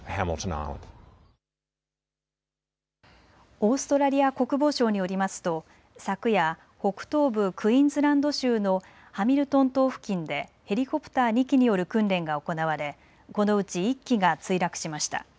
オーストラリア国防省によりますと昨夜、北東部クイーンズランド州のハミルトン島付近でヘリコプター２機による訓練が行われこのうち１機が墜落しました。